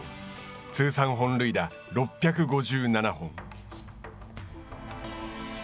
通算本塁打６５７本。